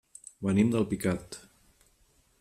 Venim d'Alpicat.